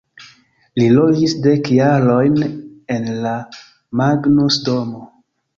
Li loĝis dek jarojn en la Magnus-Domo.